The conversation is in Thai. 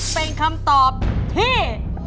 เป็นคำตอบที่